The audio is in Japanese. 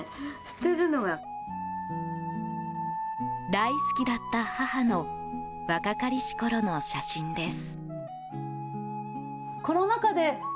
大好きだった母の若かりしころの写真です。